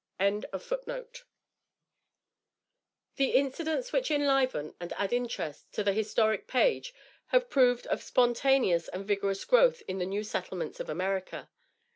] The incidents which enliven and add interest to the historic page, have proved of spontaneous and vigorous growth in the new settlements of America.